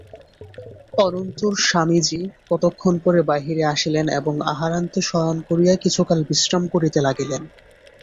অনন্তর স্বামীজী কতক্ষণ পরে বাহিরে আসিলেন এবং আহারান্তে শয়ন করিয়া কিছুকাল বিশ্রাম করিতে লাগিলেন।